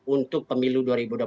untuk pemilu dua ribu dua puluh empat